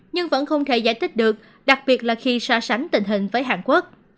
nhưng vẫn không thể giải thích được đặc biệt là khi so sánh tình hình với hàn quốc